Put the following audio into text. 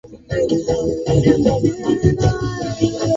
ni nani ambaye ana sababisha kuwe na giza